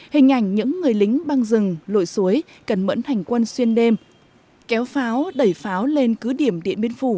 hình ảnh những người lính băng rừng lội suối cần mẫn hành quân xuyên đêm kéo pháo đẩy pháo lên cứ điểm điện biên phủ